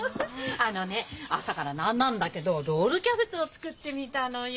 あのね朝から何なんだけどロールキャベツを作ってみたのよ。